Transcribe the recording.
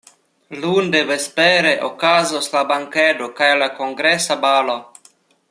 Lunde vespere okazos la bankedo kaj la kongresa balo.